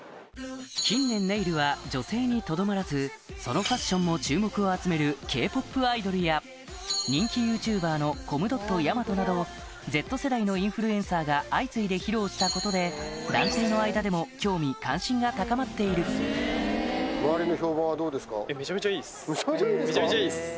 近年ネイルは女性にとどまらずそのファッションも注目を集めるＫ−ＰＯＰアイドルや人気などＺ世代のインフルエンサーが相次いで披露したことで男性の間でも興味関心が高まっているめちゃめちゃいいんですか？